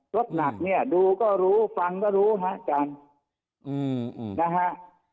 รถหนักเนี่ยดูก็รู้ฟังก็รู้นะครับอาจารย์